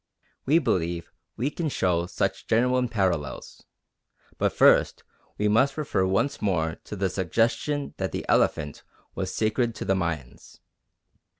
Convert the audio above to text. We believe we can show such genuine parallels; but first we must refer once more to the suggestion that the elephant was sacred to the Mayans.